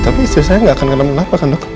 tapi istri saya gak akan kenapa kenapa kan dok